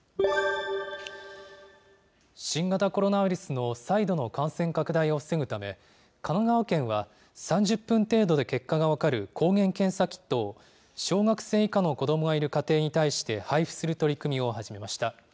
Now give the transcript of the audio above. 新型コロナウイルスの再度の感染拡大を防ぐため、神奈川県は、３０分程度で結果が分かる抗原検査キットを、小学生以下の子どもがいる家庭に対して配布する取り組みを始めました。